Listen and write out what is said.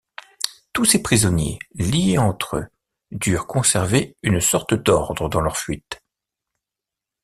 Tous ces prisonniers, liés entre eux, durent conserver une sorte d'ordre dans leur fuite.